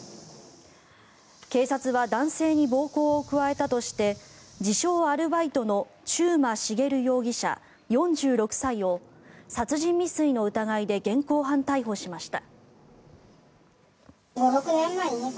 警察は男性に暴行を加えたとして自称・アルバイトの中馬茂容疑者、４６歳を殺人未遂の疑いで現行犯逮捕しました。